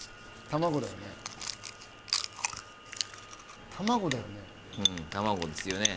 卵だよね？